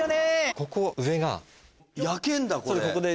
ここ上が。焼けんだここで。